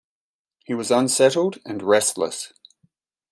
He was unsettled and restless.